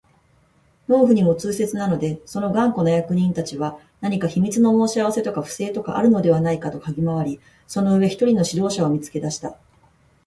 農夫にも痛切なので、その頑固な役人たちは何か秘密の申し合せとか不正とかでもあるのではないかとかぎ廻り、その上、一人の指導者を見つけ出した